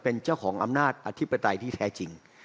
เป็นเจ้าของอำนาจอธิปไตยที่แท้จริง